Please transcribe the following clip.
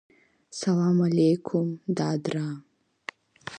Салам алеиқум, дадраа!